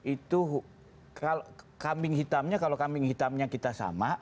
itu kambing hitamnya kalau kambing hitamnya kita sama